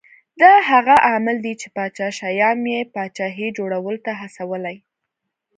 دا هغه عامل دی چې پاچا شیام یې پاچاهۍ جوړولو ته هڅولی